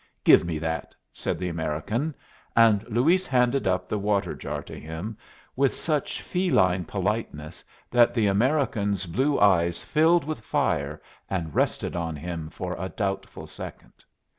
"Give me that," said the American; and Luis handed up the water jar to him with such feline politeness that the American's blue eyes filled with fire and rested on him for a doubtful second.